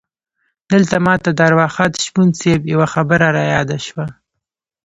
دلته ماته د ارواښاد شپون صیب یوه خبره رایاده شوه.